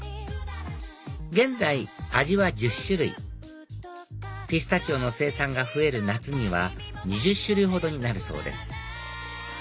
現在味は１０種類ピスタチオの生産が増える夏には２０種類ほどになるそうです